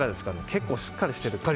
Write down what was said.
結構しっかりしてる。